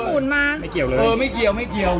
ไม่เกี่ยวไม่เกี่ยวไม่เกี่ยว